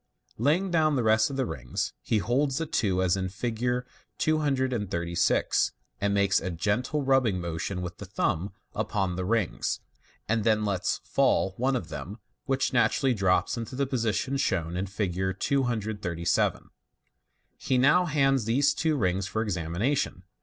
" Laying down the rest of the rings, he holds the two as in Fig. 236, and makes a gentle rubbing motion with the thumb upon the rings, and then lets fall one of them, which naturally drops to the position shown in Fig. 237. He now hands these two rings for examination.